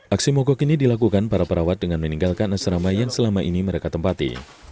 aksi mogok ini dilakukan para perawat dengan meninggalkan asrama yang selama ini mereka tempati